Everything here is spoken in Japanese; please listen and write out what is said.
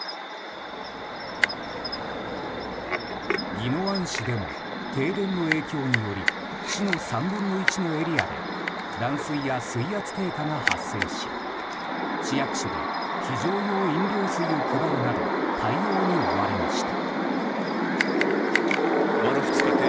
宜野湾市でも停電の影響により市の３分の１のエリアで断水や水圧低下が発生し市役所で非常用飲料水を配るなど対応に追われました。